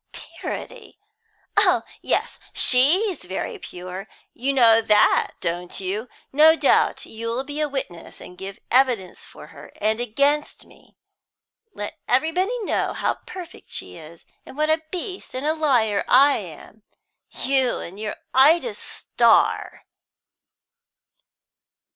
"Purity! Oh yes, she's very pure you know that, don't you? No doubt you'll be a witness, and give evidence for her, and against me; let everybody know how perfect she is, and what a beast and a liar I am! You and your Ida Starr!"